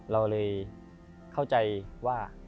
เราเลยเข้าใจว่า